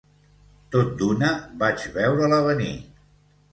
Tot d'una, vaig veure-la venir